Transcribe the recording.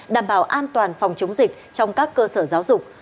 đảm bảo an toàn phòng chống dịch trong các cơ sở giáo dục